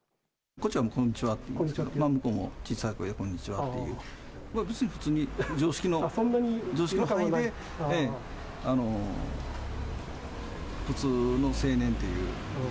こんにちはと言えば向こうも小さい声でこんにちはっていう、別に普通に常識の、常識の範囲で、普通の青年っていう。